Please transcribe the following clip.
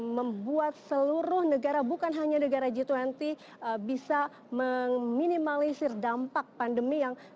membuat seluruh negara bukan hanya negara g dua puluh bisa meminimalisir dampak pandemi yang